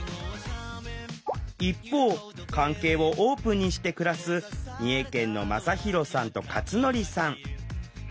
一方関係をオープンにして暮らす三重県のまさひろさんとかつのりさん。